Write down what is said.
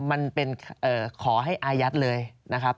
มันเป็นขอให้อายัดเลยนะครับ